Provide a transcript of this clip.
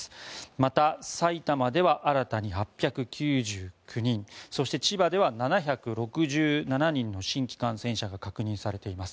また、埼玉では新たに８９９人そして千葉では７６７人の新規感染者が確認されています。